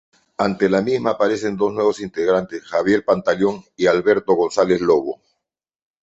Ante la misma aparecen dos nuevos integrantes: Javier Pantaleón y Alberto González Lobo.